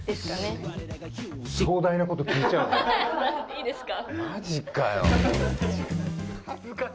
いいですか？